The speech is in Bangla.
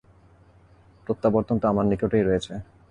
প্রত্যাবর্তনতো আমার নিকটেই রয়েছে।